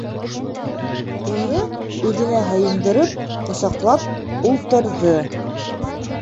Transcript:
Уны үҙенә һыйындырып ҡосаҡлап ултырҙы: